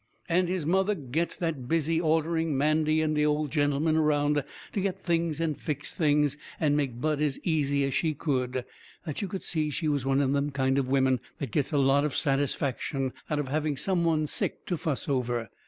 And his mother gets that busy ordering Mandy and the old gentleman around, to get things and fix things, and make Bud as easy as she could, that you could see she was one of them kind of woman that gets a lot of satisfaction out of having some one sick to fuss over.